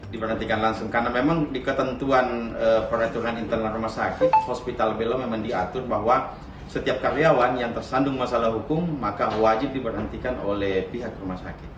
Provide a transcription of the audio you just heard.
diperhatikan langsung karena memang di ketentuan peraturan internal rumah sakit hospital belo memang diatur bahwa setiap karyawan yang tersandung masalah hukum maka wajib diberhentikan oleh pihak rumah sakit